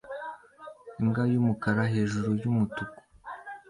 Imbwa yumukara hejuru yumutuku